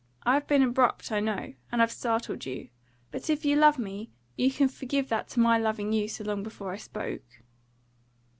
I've been abrupt, I know, and I've startled you; but if you love me, you can forgive that to my loving you so long before I spoke."